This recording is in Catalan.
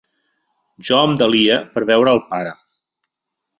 Jo em delia per veure el pare.